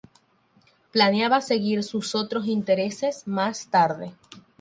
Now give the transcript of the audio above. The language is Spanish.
Planeaba perseguir sus otros intereses más tarde.